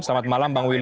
selamat malam bang willy